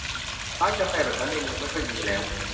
ร้านกาแฟแบบนั้นในเมืองไม่ค่อยมีแล้ว